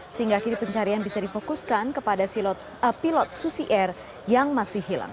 sehingga kini pencarian bisa difokuskan kepada pilot susi air yang masih hilang